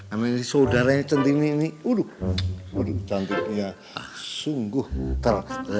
amin saudaranya cantini ini uduh cantiknya sungguh terlalu